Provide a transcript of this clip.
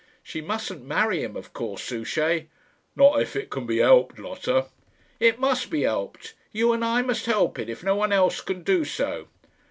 "She mustn't marry him, of course, Souchey." "Not if it can be helped, Lotta." "It must be helped. You and I must help it, if no one else can do so."